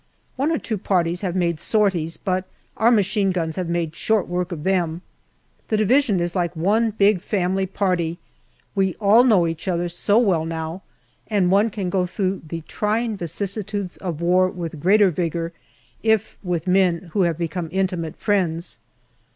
One or two parties have made sorties, but our machine guns have made short work of them. The Division is like one big family party ; we all know each other so well now, and one can go through the trying vicissitudes of war with greater vigour if with men who have become intimate friends.